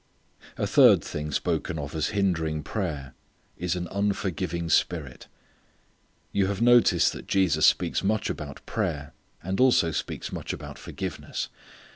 A third thing spoken of as hindering prayer is an unforgiving spirit. You have noticed that Jesus speaks much about prayer and also speaks much about forgiveness.